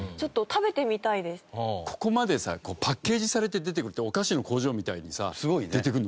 ここまでさパッケージされて出てくるってお菓子の工場みたいにさ出てくるの初めてじゃない？